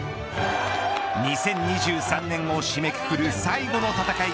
２０２３年を締めくくる最後の戦い